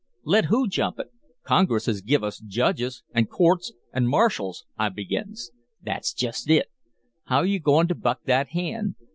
"'Let who jump it? Congress has give us judges an' courts an' marshals ' I begins. "'That's just it. How you goin' to buck that hand?